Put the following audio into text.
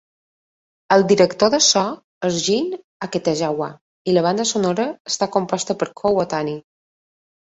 El director de so és Jin Aketagawa i la banda sonora està composta per Kow Otani.